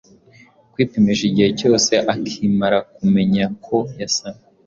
kwipimisha igihe cyose akimara kumenya ko yasamye.